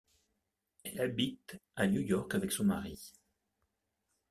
Elle habite à New York avec son mari.